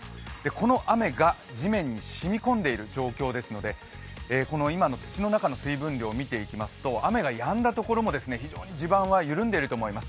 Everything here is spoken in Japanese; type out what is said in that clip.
この雨が地面に染み込んでいる状況ですのでこの今の土の中の水分量を見ていきますと、雨がやんだところも非常に地盤は緩んでいると思います。